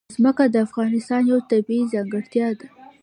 ځمکه د افغانستان یوه طبیعي ځانګړتیا ده.